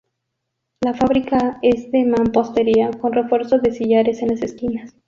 La fábrica es de mampostería, con refuerzo de sillares en las esquinas.